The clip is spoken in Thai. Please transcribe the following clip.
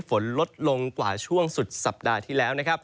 ฝนลดลงกว่าช่วงสุดสัปดาห์ที่แล้วนะครับ